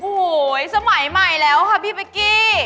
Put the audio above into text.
โอ้โหสมัยใหม่แล้วค่ะพี่เป๊กกี้